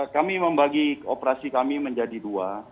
kami membagi operasi kami menjadi dua